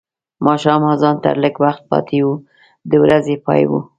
ماښام اذان ته لږ وخت پاتې و د ورځې پای و.